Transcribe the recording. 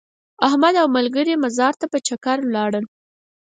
احمد او ملګري مزار ته په چکر ولاړل.